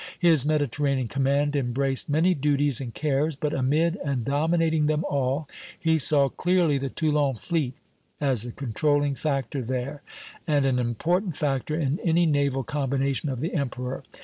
His Mediterranean command embraced many duties and cares; but amid and dominating them all, he saw clearly the Toulon fleet as the controlling factor there, and an important factor in any naval combination of the Emperor.